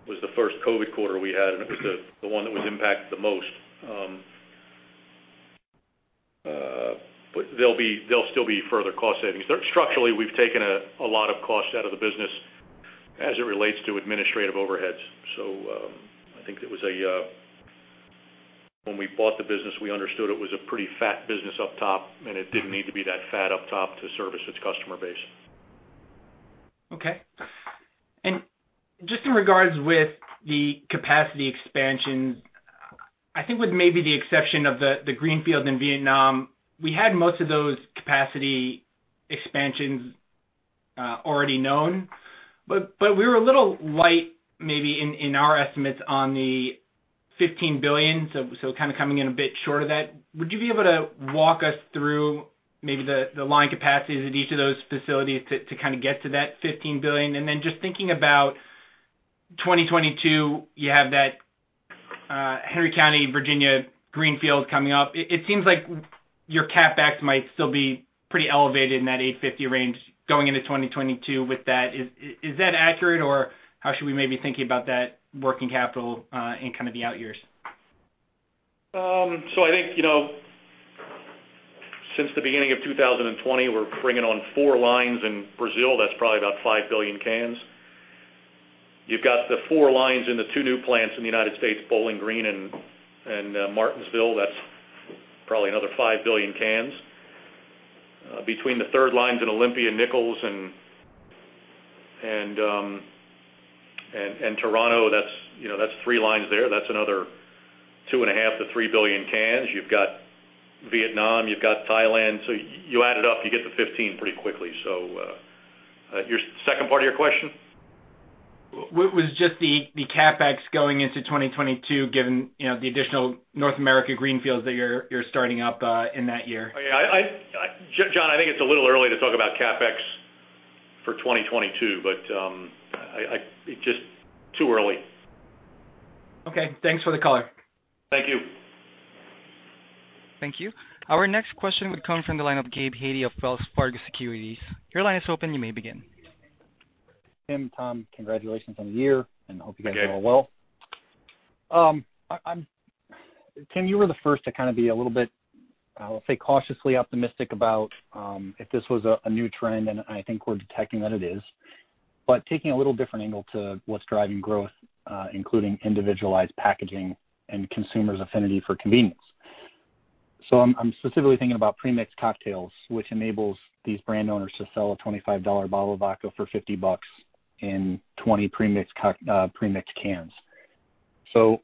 was the first COVID quarter we had, and it was the one that was impacted the most. There'll still be further cost savings. Structurally, we've taken a lot of cost out of the business as it relates to administrative overheads. I think when we bought the business, we understood it was a pretty fat business up top, and it didn't need to be that fat up top to service its customer base. Okay. Just in regards with the capacity expansions, I think with maybe the exception of the greenfield in Vietnam, we had most of those capacity expansions already known, but we were a little light maybe in our estimates on the 15 billion, so kind of coming in a bit short of that. Would you be able to walk us through maybe the line capacities at each of those facilities to kind of get to that 15 billion? Then just thinking about 2022, you have that Henry County, Virginia, greenfield coming up. It seems like your CapEx might still be pretty elevated in that 850 range going into 2022 with that. Is that accurate, or how should we maybe thinking about that working capital in kind of the out years? I think, since the beginning of 2020, we're bringing on four lines in Brazil. That's probably about 5 billion cans. You've got the four lines in the two new plants in the United States, Bowling Green and Martinsville. That's probably another 5 billion cans. Between the third lines in Olympia, Nichols, and Toronto, that's three lines there. That's another 2.5 billion-3 billion cans. You've got Vietnam, you've got Thailand. You add it up, you get to 15 pretty quickly. Your second part of your question? Was just the CapEx going into 2022, given the additional North America greenfields that you're starting up in that year? John, I think it's a little early to talk about CapEx for 2022, but it's just too early. Okay. Thanks for the color. Thank you. Thank you. Our next question would come from the line of Gabe Hajde of Wells Fargo Securities. Your line is open, you may begin. Tim, Tom, congratulations on the year, and hope you guys are all well. Thank you. Tim, you were the first to kind of be a little bit, I'll say, cautiously optimistic about if this was a new trend, and I think we're detecting that it is. Taking a little different angle to what's driving growth, including individualized packaging and consumers' affinity for convenience. I'm specifically thinking about pre-mixed cocktails, which enables these brand owners to sell a $25 bottle of vodka for $50 in 20 pre-mixed cans.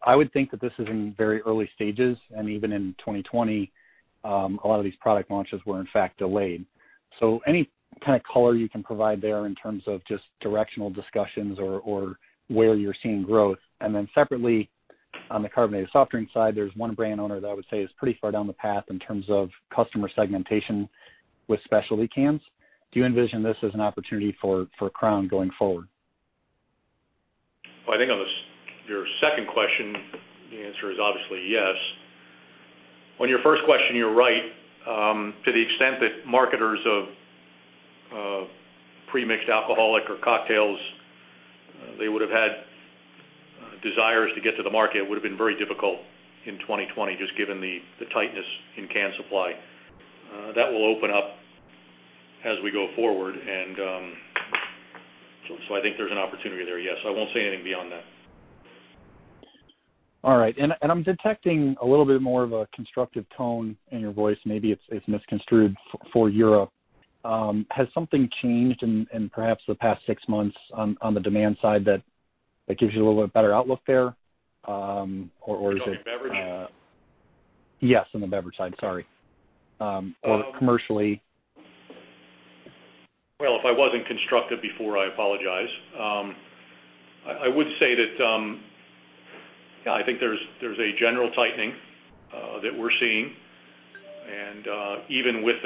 I would think that this is in very early stages, and even in 2020, a lot of these product launches were in fact delayed. Any kind of color you can provide there in terms of just directional discussions or where you're seeing growth? Separately, on the carbonated soft drink side, there's one brand owner that I would say is pretty far down the path in terms of customer segmentation with specialty cans. Do you envision this as an opportunity for Crown going forward? I think on your second question, the answer is obviously yes. On your first question, you're right, to the extent that marketers of pre-mixed alcoholic or cocktails, they would've had desires to get to the market, would've been very difficult in 2020, just given the tightness in can supply. That will open up as we go forward. I think there's an opportunity there, yes. I won't say anything beyond that. All right. I'm detecting a little bit more of a constructive tone in your voice, maybe it's misconstrued, for Europe. Has something changed in perhaps the past six months on the demand side that gives you a little bit better outlook there? You talking beverage? Yes, on the beverage side, sorry. Commercially. Well, if I wasn't constructive before, I apologize. I would say that, I think there's a general tightening that we're seeing. Even with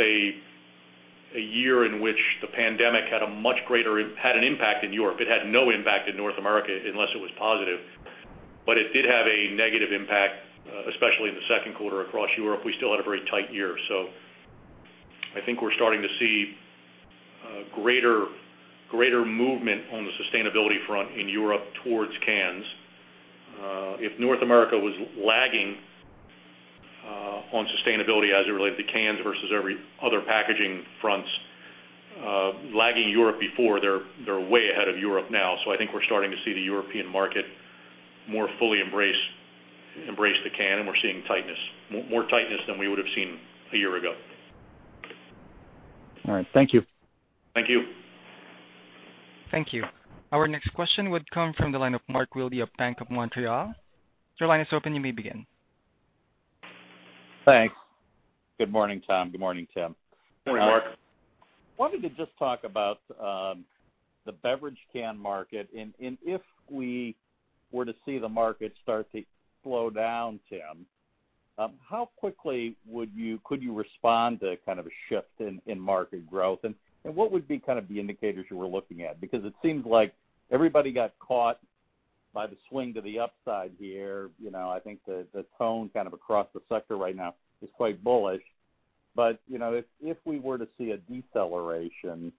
a year in which the pandemic had an impact in Europe, it had no impact in North America unless it was positive, but it did have a negative impact, especially in the second quarter across Europe. We still had a very tight year. I think we're starting to see greater movement on the sustainability front in Europe towards cans. If North America was lagging on sustainability as it related to cans versus every other packaging fronts, lagging Europe before, they're way ahead of Europe now. I think we're starting to see the European market more fully embrace the can, and we're seeing more tightness than we would've seen a year ago. All right. Thank you. Thank you. Thank you. Our next question would come from the line of Mark Wilde of Bank of Montreal. Your line is open, you may begin. Thanks. Good morning, Tom. Good morning, Tim. Good morning, Mark. Wanted to just talk about the beverage can market, and if we were to see the market start to slow down, Tim, how quickly could you respond to a shift in market growth, and what would be the indicators you were looking at? It seems like everybody got caught by the swing to the upside here. I think the tone across the sector right now is quite bullish. If we were to see a deceleration,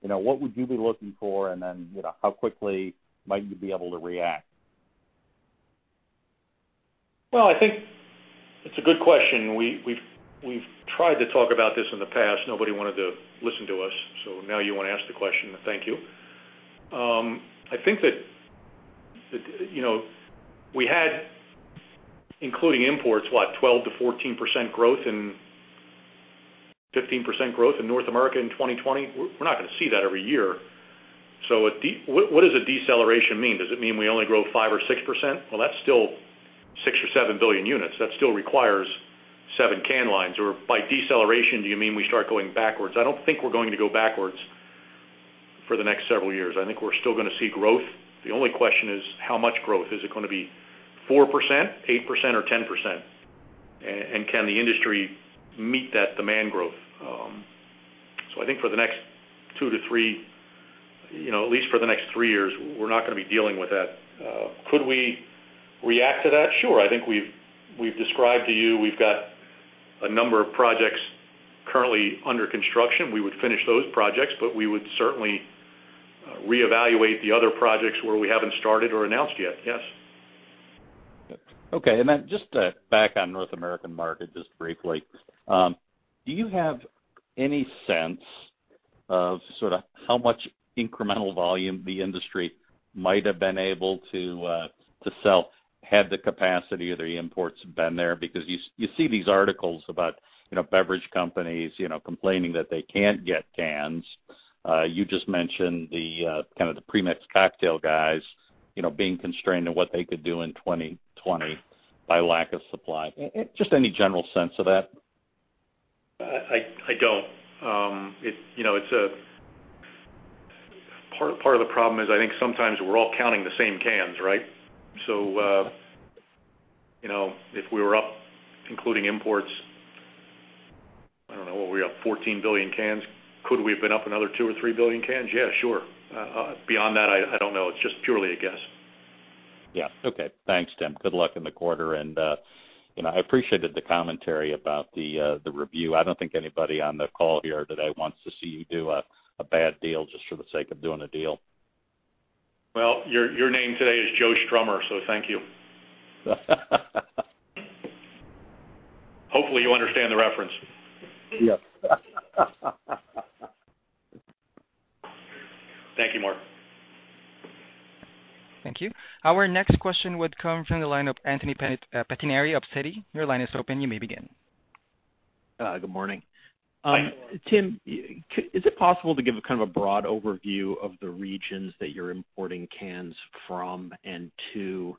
what would you be looking for? Then, how quickly might you be able to react? Well, I think it's a good question. We've tried to talk about this in the past. Nobody wanted to listen to us. Now you want to ask the question. Thank you. I think that we had, including imports, what? 12%-14% growth and 15% growth in North America in 2020. We're not going to see that every year. What does a deceleration mean? Does it mean we only grow 5% or 6%? Well, that's still 6 or 7 billion units. That still requires seven can lines. By deceleration, do you mean we start going backwards? I don't think we're going to go backwards for the next several years. I think we're still going to see growth. The only question is how much growth. Is it going to be 4%, 8%, or 10%? Can the industry meet that demand growth? I think for the next two to three, at least for the next three years, we're not going to be dealing with that. Could we react to that? Sure. I think we've described to you, we've got a number of projects currently under construction. We would finish those projects, but we would certainly reevaluate the other projects where we haven't started or announced yet. Yes. Okay. Just to back on North American market, just briefly. Do you have any sense of how much incremental volume the industry might have been able to sell had the capacity or the imports been there? You see these articles about beverage companies complaining that they can't get cans. You just mentioned the pre-mix cocktail guys being constrained to what they could do in 2020 by lack of supply. Just any general sense of that? I don't. Part of the problem is I think sometimes we're all counting the same cans, right? If we were up including imports, I don't know, what are we up, 14 billion cans? Could we have been up another two or three billion cans? Yeah, sure. Beyond that, I don't know. It's just purely a guess. Yeah. Okay. Thanks, Tim. Good luck in the quarter, and I appreciated the commentary about the review. I don't think anybody on the call here today wants to see you do a bad deal just for the sake of doing a deal. Well, your name today is Joe Strummer. Thank you. Hopefully you understand the reference. Yes. Thank you, Mark. Thank you. Our next question would come from the line of Anthony Pettinari of Citi. Your line is open. You may begin. Good morning. Hi. Tim, is it possible to give a broad overview of the regions that you're importing cans from and to?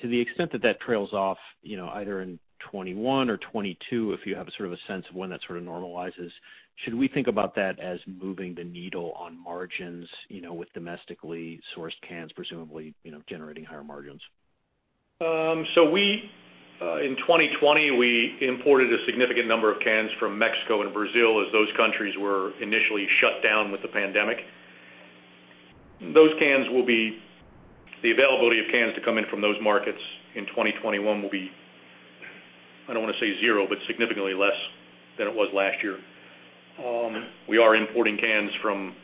To the extent that that trails off either in 2021 or 2022, if you have a sense of when that normalizes, should we think about that as moving the needle on margins with domestically sourced cans presumably generating higher margins? In 2020, we imported a significant number of cans from Mexico and Brazil as those countries were initially shut down with the pandemic. The availability of cans to come in from those markets in 2021 will be, I don't want to say zero, but significantly less than it was last year. We are importing cans from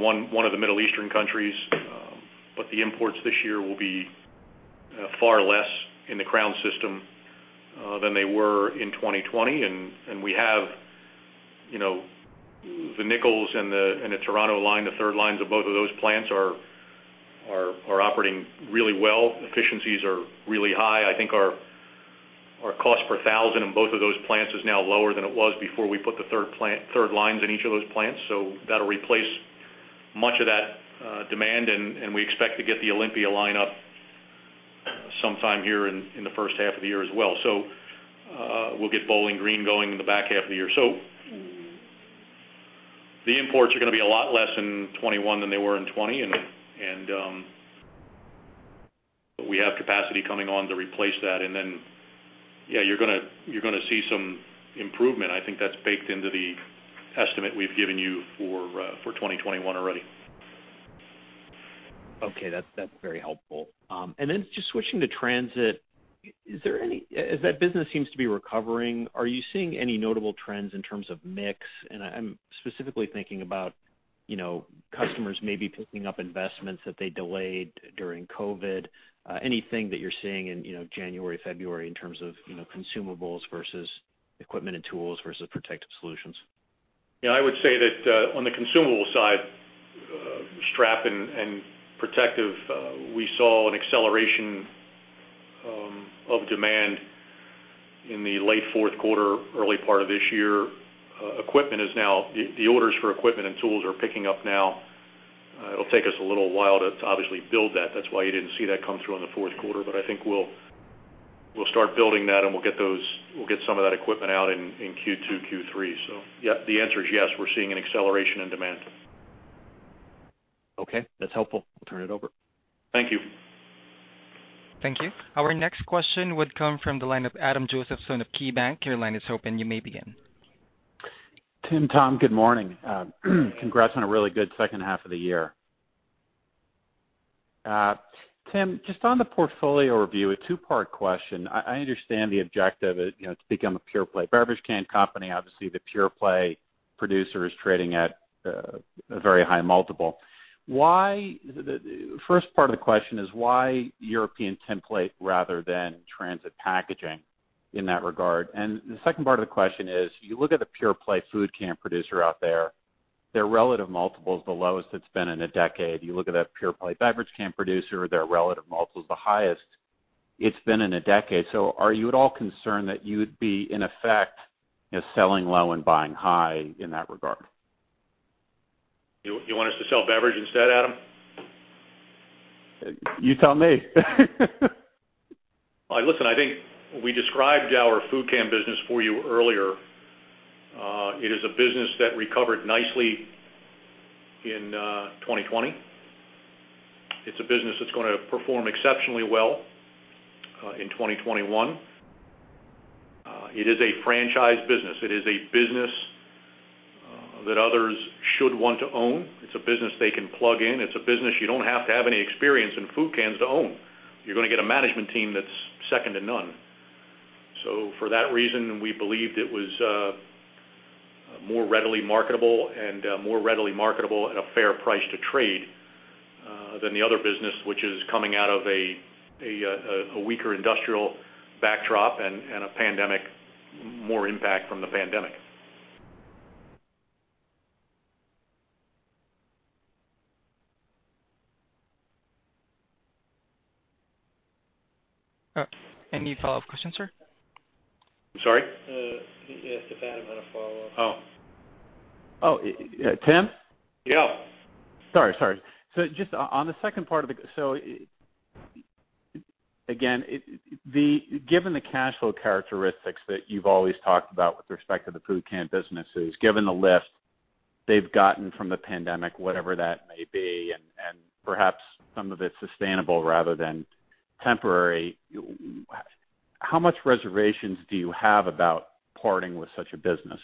one of the Middle Eastern countries. The imports this year will be far less in the Crown system than they were in 2020. We have the Nichols and the Toronto line, the third lines of both of those plants are operating really well. Efficiencies are really high. I think our cost per thousand in both of those plants is now lower than it was before we put the third lines in each of those plants. That'll replace much of that demand, and we expect to get the Olympia line up sometime here in the first half of the year as well. We'll get Bowling Green going in the back half of the year. The imports are going to be a lot less in 2021 than they were in 2020, and we have capacity coming on to replace that. Yeah, you're going to see some improvement. I think that's baked into the estimate we've given you for 2021 already. Okay, that's very helpful. Just switching to transit, as that business seems to be recovering, are you seeing any notable trends in terms of mix? I'm specifically thinking about customers maybe picking up investments that they delayed during COVID. Anything that you're seeing in January, February, in terms of consumables versus equipment and tools versus protective solutions? Yeah, I would say that on the consumable side, strap and protective, we saw an acceleration of demand in the late fourth quarter, early part of this year. The orders for equipment and tools are picking up now. It'll take us a little while to obviously build that. That's why you didn't see that come through in the fourth quarter. I think we'll start building that, and we'll get some of that equipment out in Q2, Q3. Yeah, the answer is yes, we're seeing an acceleration in demand. Okay, that's helpful. We'll turn it over. Thank you. Thank you. Our next question would come from the line of Adam Josephson of KeyBanc. Your line is open. You may begin. Tim, Tom, good morning. Congrats on a really good second half of the year. Tim, just on the portfolio review, a two-part question. I understand the objective to become a pure-play beverage can company. Obviously, the pure-play producer is trading at a very high multiple. First part of the question is why European Tinplate rather than Transit Packaging in that regard? The second part of the question is, you look at the pure-play food can producer out there, their relative multiple's the lowest it's been in a decade. You look at that pure-play beverage can producer, their relative multiple's the highest it's been in a decade. Are you at all concerned that you would be, in effect, selling low and buying high in that regard? You want us to sell beverage instead, Adam? You tell me. Listen, I think we described our food can business for you earlier. It is a business that recovered nicely in 2020. It's a business that's going to perform exceptionally well in 2021. It is a franchise business. It is a business that others should want to own. It's a business they can plug in. It's a business you don't have to have any experience in food cans to own. You're going to get a management team that's second to none. For that reason, we believed it was more readily marketable, and more readily marketable at a fair price to trade than the other business, which is coming out of a weaker industrial backdrop and a pandemic, more impact from the pandemic. Any follow-up question, sir? I'm sorry? He asked if Adam had a follow-up. Oh. Oh, Tim? Yeah. Sorry. Just on the second part of it, so again, given the cash flow characteristics that you've always talked about with respect to the food can businesses, given the lift they've gotten from the pandemic, whatever that may be, and perhaps some of it's sustainable rather than temporary, how much reservations do you have about parting with such a business?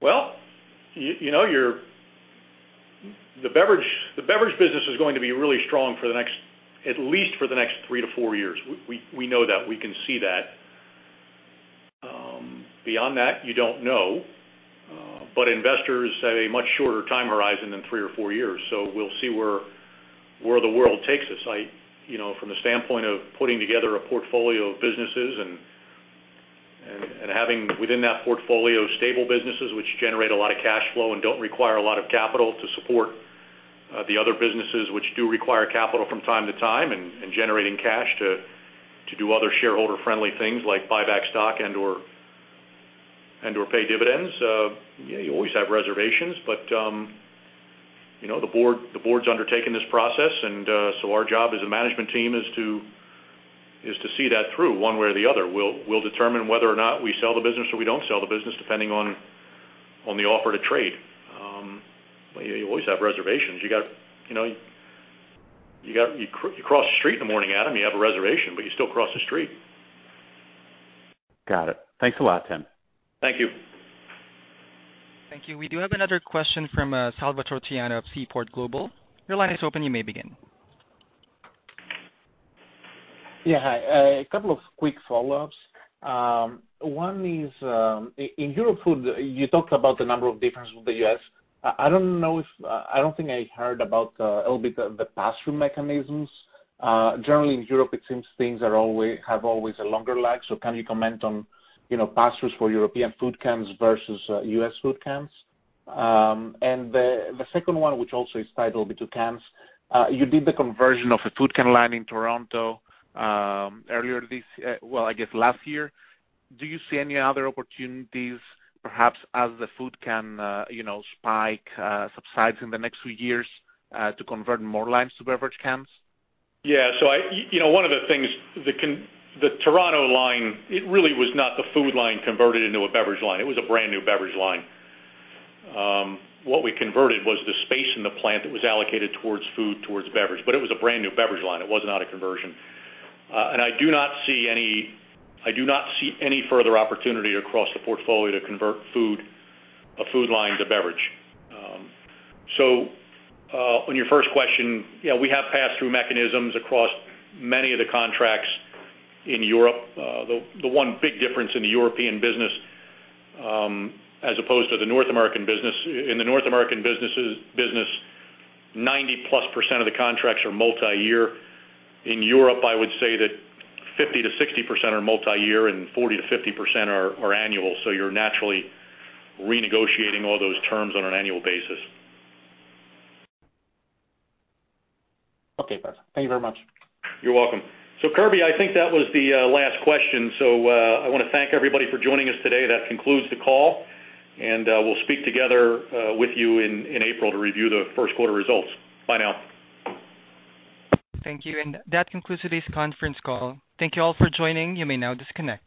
Well, the beverage business is going to be really strong at least for the next three to four years. We know that. We can see that. Beyond that, you don't know. Investors have a much shorter time horizon than three or four years, so we'll see where the world takes us. From the standpoint of putting together a portfolio of businesses and having within that portfolio stable businesses which generate a lot of cash flow and don't require a lot of capital to support the other businesses which do require capital from time to time and generating cash to do other shareholder-friendly things like buy back stock and/or pay dividends, you always have reservations. The board's undertaken this process, and so our job as a management team is to see that through, one way or the other. We'll determine whether or not we sell the business or we don't sell the business, depending on the offer to trade. You always have reservations. You cross the street in the morning, Adam, you have a reservation, but you still cross the street. Got it. Thanks a lot, Tim. Thank you. Thank you. We do have another question from Salvator Tiano of Seaport Global. Your line is open. You may begin. Yeah. Hi. A couple of quick follow-ups. One is, in European Food, you talked about the number of difference with the U.S. I don't think I heard about a little bit the pass-through mechanisms. Generally, in Europe, it seems things have always a longer lag. Can you comment on pass-throughs for European Food Cans versus U.S. Food Cans? The second one, which also is tied a little bit to cans. You did the conversion of a food can line in Toronto last year. Do you see any other opportunities, perhaps as the food can spike subsides in the next few years, to convert more lines to beverage cans? Yeah. One of the things, the Toronto line, it really was not the food line converted into a beverage line. It was a brand-new beverage line. What we converted was the space in the plant that was allocated towards food, towards beverage. It was a brand-new beverage line. It was not a conversion. I do not see any further opportunity across the portfolio to convert a food line to beverage. On your first question, yeah, we have pass-through mechanisms across many of the contracts in Europe. The one big difference in the European business as opposed to the North American business, in the North American business, 90%+ of the contracts are multi-year. In Europe, I would say that 50%-60% are multi-year and 40%-50% are annual. You're naturally renegotiating all those terms on an annual basis. Okay, perfect. Thank you very much. You're welcome. Kirby, I think that was the last question. I want to thank everybody for joining us today. That concludes the call, and we'll speak together with you in April to review the first quarter results. Bye now. Thank you. That concludes today's conference call. Thank you all for joining. You may now disconnect.